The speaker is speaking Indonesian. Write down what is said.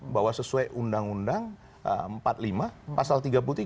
bahwa sesuai undang undang empat puluh lima pasal tiga puluh tiga